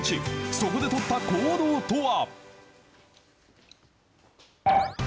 そこで取った行動とは。